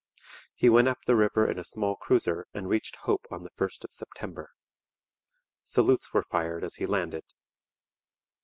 He went up the river in a small cruiser and reached Hope on the 1st of September. Salutes were fired as he landed.